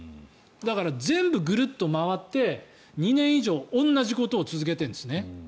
だから、全部ぐるっと回って２年以上同じことを続けているんですね。